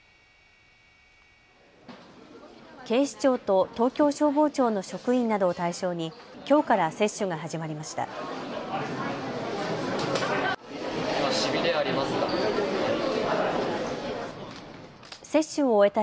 警視庁と東京消防庁の職員などを対象にきょうから接種が始まりました。